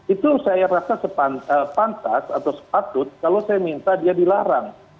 itu saya rasa pantas atau sepatut kalau saya minta dia dilarang